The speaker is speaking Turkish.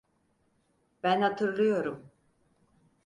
Ben hatırlıyorum.